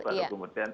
mau dulu baru kemudian